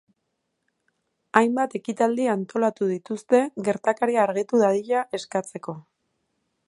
Hainbat ekitaldi antolatu dituzte gertakaria argitu dadila eskatzeko.